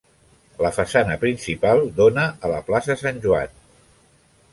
La façana principal dóna a la Plaça Sant Joan.